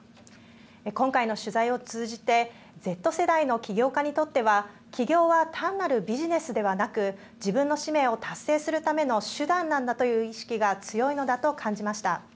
今回の取材を通じてＺ世代の起業家にとっては起業は単なるビジネスではなく自分の使命を達成するための手段なんだという意識が強いのだと感じました。